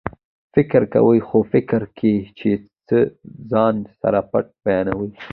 فکر کوئ خو فکر کې چې څه ځان سره پټ بیانوي